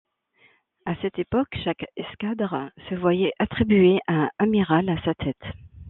À cette époque, chaque escadre se voyait attribuer un amiral à sa tête.